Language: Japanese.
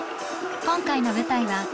今回の舞台は。